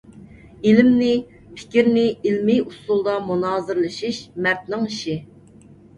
ئىلىمنى، پىكىرنى ئىلىمىي ئۇسۇلدا مۇنازىرىلىشىش مەردنىڭ ئىشى.